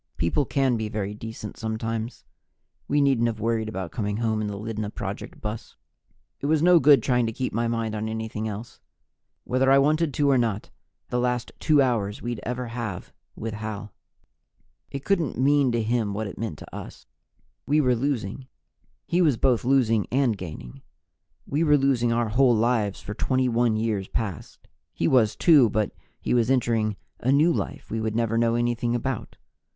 People can be very decent sometimes. We needn't have worried about coming home in the Lydna Project bus. It was no good trying to keep my mind on anything else. Whether I wanted to or not, I had to relive the two last hours we'd ever have with Hal. It couldn't mean to him what it meant to us. We were losing; he was both losing and gaining. We were losing our whole lives for 21 years past; he was, too, but he was entering a new life we would never know anything about.